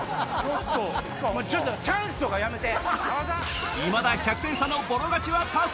ちょっと「チャンス」とかやめて！